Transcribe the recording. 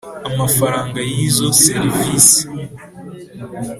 amafaranga y izo serivisi